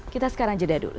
kita sekarang jeda dulu